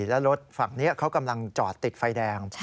แล้วรถฝั่งนี้เขากำลังจอดติดไฟแดง